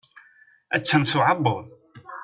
Attan s uƐebbuḍ.